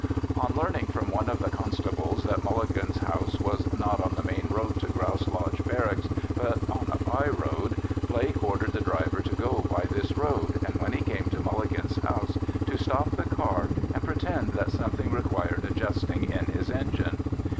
On learning from one of the constables that Mulligan's house was not on the main road to Grouse Lodge Barracks, but on a byroad, Blake ordered the driver to go by this road, and when he came to Mulligan's house to stop the car and pretend that something required adjusting in his engine.